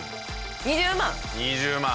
２０万。